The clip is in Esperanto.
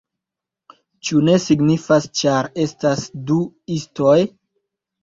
Ĉu ne signifas, ĉar estas du istoj?